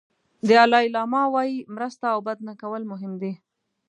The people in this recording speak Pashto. دالای لاما وایي مرسته او بد نه کول مهم دي.